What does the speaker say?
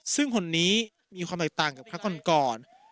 ซึ่งหล่นนี้มีความต่างกับพระขมกร